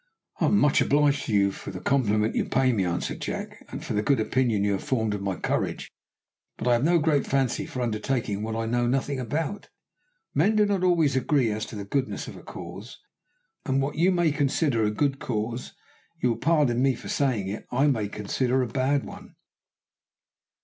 "I am much obliged to you for the compliment you pay me," answered Jack, "and for the good opinion you have formed of my courage; but I have no great fancy for undertaking what I know nothing about. Men do not always agree as to the goodness of a cause, and what you may consider a good cause, you will pardon me for saying it, I may consider a bad one."